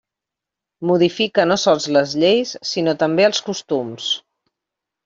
Modifica no sols les lleis, sinó també els costums.